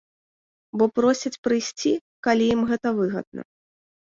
Бо просяць прыйсці, калі ім гэта выгадна.